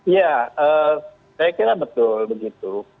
ya saya kira betul begitu